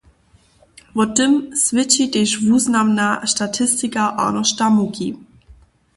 Wo tym swědči tež wuznamna statistika Arnošta Muki.